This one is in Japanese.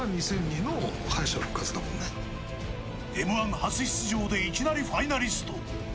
Ｍ‐１初出場でいきなりファイナリスト。